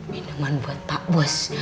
minuman buat tak bos